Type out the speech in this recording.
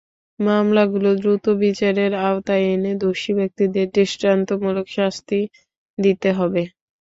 মামলাগুলো দ্রুত বিচারের আওতায় এনে দোষী ব্যক্তিদের দৃষ্টান্তমূলক শাস্তি দিতে হবে।